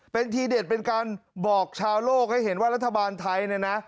เป็นทีเด็ดเป็นการบอกชาวโลกให้เห็นว่ารัฐบาลไทยเนี่ยนะ